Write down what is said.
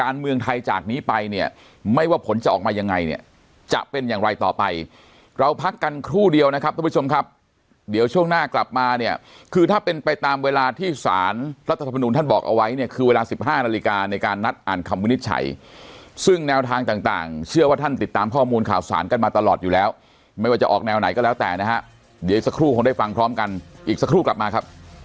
เราพักกันครู่เดียวนะครับทุกผู้ชมครับเดี๋ยวช่วงหน้ากลับมาเนี่ยคือถ้าเป็นไปตามเวลาที่สารรัฐธรรมนูญท่านบอกเอาไว้เนี่ยคือเวลาสิบห้านาฬิกาในการนัดอ่านคำวินิจฉัยซึ่งแนวทางต่างเชื่อว่าท่านติดตามข้อมูลข่าวสารกันมาตลอดอยู่แล้วไม่ว่าจะออกแนวไหนก็แล้วแต่นะฮะเดี๋ยวอีกสั